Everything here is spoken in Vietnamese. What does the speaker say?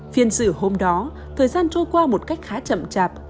phiền sự hôm đó thời gian trôi qua một cách khá chậm chạp